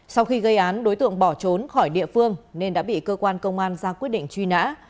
sau khi gây án đối tượng bỏ trốn khỏi địa phương nên đã bị cơ quan công an ra quyết định truy nã